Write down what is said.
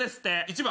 １番